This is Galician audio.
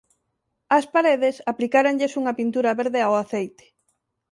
Ás paredes aplicáranlles unha pintura verde ao aceite.